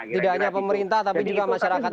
tidak hanya pemerintah tapi juga masyarakat